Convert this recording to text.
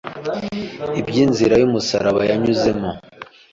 iby’inzira y’umusaraba yanyuzemo,